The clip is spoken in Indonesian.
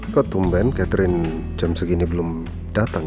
kok tumpen catherine jam segini belum datang ya